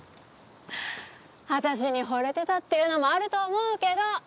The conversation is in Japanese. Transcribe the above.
私に惚れてたっていうのもあると思うけど。